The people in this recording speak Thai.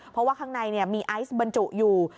เพราะว่าข้างในมีไอซ์บรรจุอยู่